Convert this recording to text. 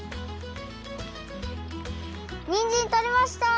にんじんとれました！